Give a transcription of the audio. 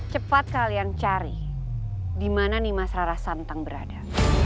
cepat kalian cari di mana nimas rara santang berada